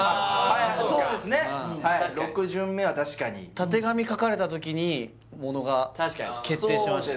あそうか確かにたてがみ描かれた時にものが決定しました